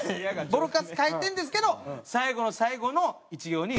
ボロカス書いてるんですけど最後の最後の１行に。